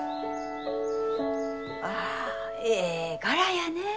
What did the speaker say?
ああえい柄やね。